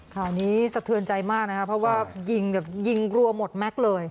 ข่าวนี้สะเทือนใจมากนะครับเพราะว่ายิงแบบยิงรัวหมดแม็กซ์เลย